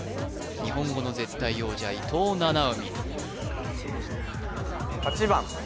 日本語の絶対王者伊藤七海